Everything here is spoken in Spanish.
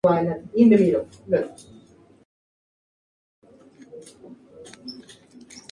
Realizó sus estudios escolares en el colegio Reina del Mundo.